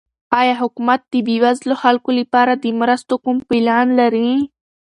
آیا حکومت د بېوزلو خلکو لپاره د مرستو کوم پلان لري؟